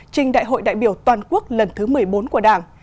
trình đại hội đại biểu toàn quốc lần thứ một mươi bốn của đảng